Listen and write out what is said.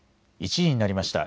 １時になりました。